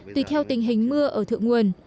tùy theo tình hình mưa ở thượng nguồn